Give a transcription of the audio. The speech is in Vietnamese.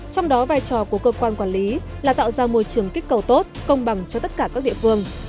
trong đó vai trò của cơ quan quản lý là tạo ra môi trường kích cầu tốt công bằng cho tất cả các địa phương